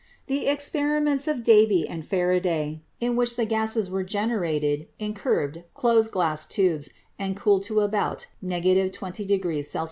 The experiments of Davy and Faraday, in which the gases were generated in curved closed glass tubes and cooled to about — 20 C.